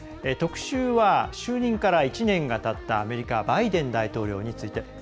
特集は、就任から１年がたったアメリカバイデン大統領について。